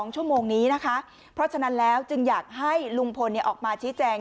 ๒ชั่วโมงนี้นะคะเพราะฉะนั้นแล้วจึงอยากให้ลุงพลออกมาชี้แจง